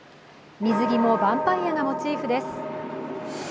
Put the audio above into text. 水着もバンパイアがモチーフです。